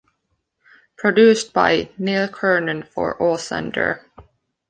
Produced by Neil Kernon for Auslander.